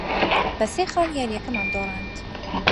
بە سێ خاڵ یارییەکەمان دۆڕاند.